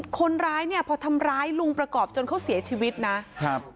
คนร้ายเนี่ยพอทำร้ายลุงประกอบจนเขาเสียชีวิตนะครับ